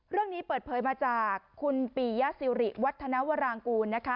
เรื่องนี้เปิดเผยมาจากคุณปียสิริวัฒนวรางกูลนะคะ